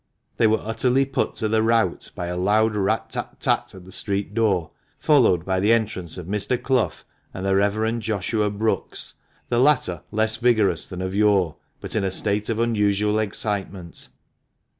They were utterly put to the rout by a loud rat tat tat at the street door, followed by the entrance of Mr. Clough and the Reverend Joshua Brookes, the latter less vigorous than of yore, but in a state of unusual excitement.